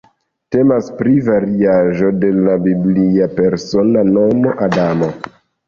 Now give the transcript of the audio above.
Temas pri variaĵo de la biblia persona nomo Adamo.